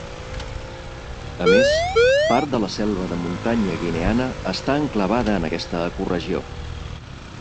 A més, part de la selva de muntanya guineana està enclavada en aquesta ecoregió.